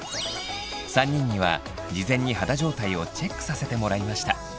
３人には事前に肌状態をチェックさせてもらいました。